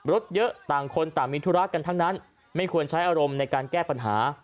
รถเยอะต่างคนต่างมีธุระกันทั้งนั้นไม่ควรใช้อารมณ์ในการแก้ปัญหา